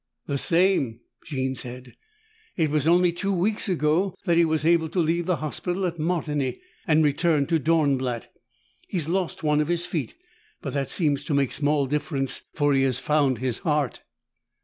"The same," Jean said. "It was only two weeks ago that he was able to leave the hospital at Martigny and return to Dornblatt. He has lost one of his feet, but that seems to make small difference, for he has found his heart.